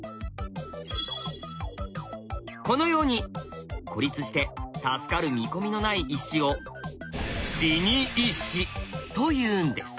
このように孤立して助かる見込みのない石を死に石というんです。